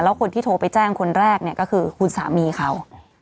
แล้วคนที่โทรไปแจ้งคนแรกเนี่ยก็คือคุณสามีเขา